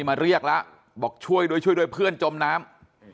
มาเรียกแล้วบอกช่วยด้วยช่วยด้วยเพื่อนจมน้ำ